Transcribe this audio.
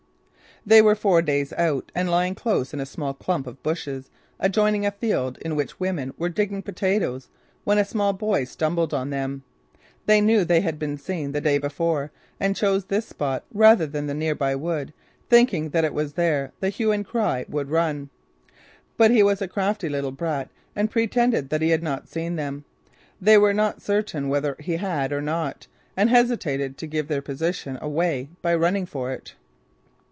They were four days' out and lying close in a small clump of bushes adjoining a field in which women were digging potatoes when a small boy stumbled on them. They knew they had been seen the day before and chose this exposed spot rather than the near by wood, thinking that it was there the hue and cry would run. But he was a crafty little brat and pretended that he had not seen them. They were not certain whether he had or not and hesitated to give their position away by running for it.